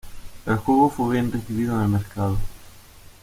El juego fue bien recibido en el mercado.